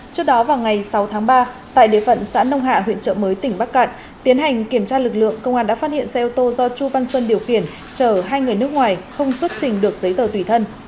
trước đó vào ngày sáu tháng ba tại địa phận xã nông hạ huyện trợ mới tỉnh bắc cạn tiến hành kiểm tra lực lượng công an đã phát hiện xe ô tô do chu văn xuân điều khiển chở hai người nước ngoài không xuất trình được giấy tờ tùy thân